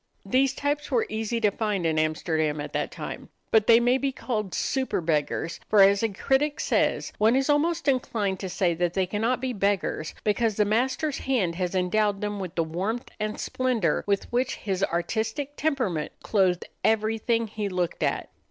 These types were easy to find in Amsterdam at that time; but they may be called super beggars, for as a critic says, "One is almost inclined to say that they cannot be beggars, because the master's hand has endowed them with the warmth and splendor with which his artistic temperament clothed everything he looked at."